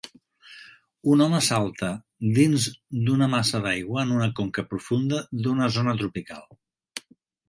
Un home salta dins d'una massa d'aigua en una conca profunda d'una zona tropical.